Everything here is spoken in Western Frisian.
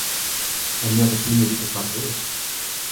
Hy mailde ferline wike foar it earst.